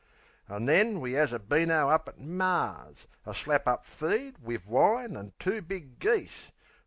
An' then we 'as a beano up at Mar's A slap up feed, wiv wine an' two big geese.